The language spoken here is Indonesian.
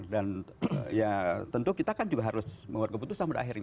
dan ya tentu kita kan juga harus membuat keputusan pada akhirnya